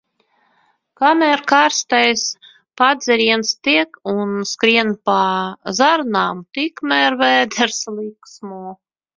Kamēr karstais padzēriens tek un skrien pa zarnām, tikmēr vēders līksmo.